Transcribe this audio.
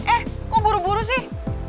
eh kok buru buru sih